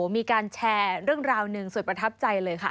มีการแชร์เรื่องราวหนึ่งสุดประทับใจเลยค่ะ